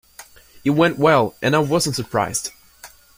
It went well, and I wasn't surprised.